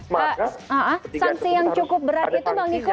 maka ketiga cukup berat